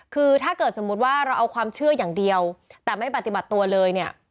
คือถ้าเกิดสมมุติว่าเราเอาความเชื่ออย่างเดียวแต่ไม่ปฏิบัติตัวเลยเนี่ย